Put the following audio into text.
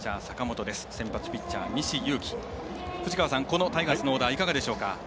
このタイガースのオーダーいかがでしょうか？